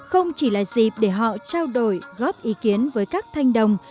không chỉ là dịp để họ trao đổi góp ý kiến với các thanh đồng